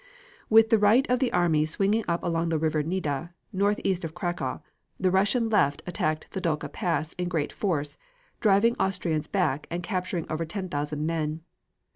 With the right of the army swinging up along the river Nida, northeast of Cracow, the Russian left attacked the Dukla Pass in great force, driving Austrians back and capturing over ten thousand men.